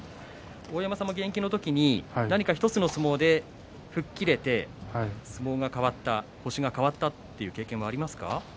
現役の時に何か１つの相撲で吹っ切れて相撲が変わった、星が変わったという経験がありますか。